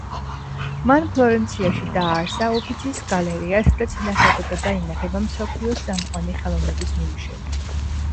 მან ფლორენციაში დააარსა უფიცის გალერეა სადაც ინახებოდა და ინახება მსოფლიოს წამყვანი ხელოვნების ნიმუშები.